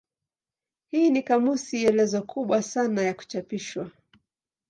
Hii ni kamusi elezo kubwa sana ya kuchapishwa.